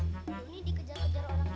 johnny dikejar kejar orang itu